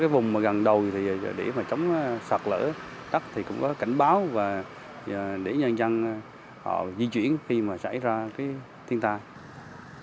vùng gần đầu để chống sạt lỡ đất thì cũng có cảnh báo để nhân dân di chuyển khi xảy ra thiên tai